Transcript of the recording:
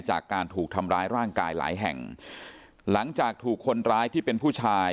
จากการถูกทำร้ายร่างกายหลายแห่งหลังจากถูกคนร้ายที่เป็นผู้ชาย